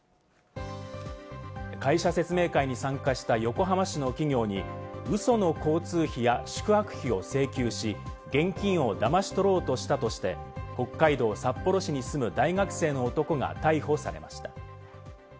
会社説明会に参加した横浜市の企業にウソの交通費や宿泊費を請求し、現金をだまし取ろうとしたとして、北海道札幌市に住む大学生の男が逮捕されました。